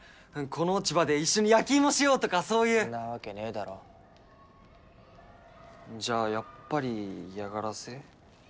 この落ち葉で一緒に焼き芋しようとかそういうんなわけねえだろじゃあやっぱり嫌がらせ？